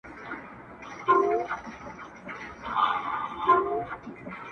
ددې نړۍ وه ښايسته مخلوق ته.